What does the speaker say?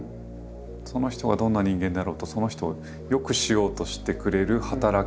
その人がどんな人間だろうとその人を良くしようとしてくれる働き。